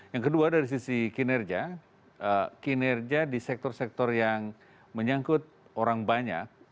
yang kedua dari sisi kinerja kinerja di sektor sektor yang menyangkut orang banyak